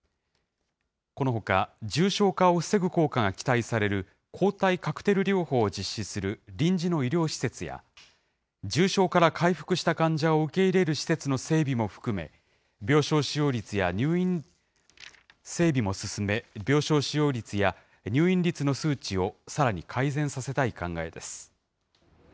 このほか重症化を防ぐ効果が期待される、抗体カクテル療法を実施する臨時の医療施設や、重症から回復した患者を受け入れる施設の整備も含め、病床使用率や入院整備も進め、病床使用率や入院率の数値をさらに改善させたい考えです。